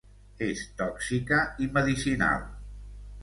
És tòxica i medicinal.